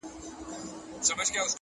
كبرجن وو ځان يې غوښـتى پــه دنـيـا كي،